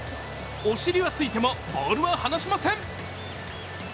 お尻はついても、ボールは離しません。